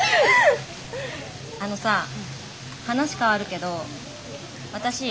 あのさ話変わるけど私